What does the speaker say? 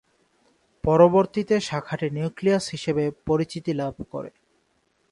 পরবর্তীতে শাখাটি ‘নিউক্লিয়াস’ হিসেবে পরিচিতি লাভ করে।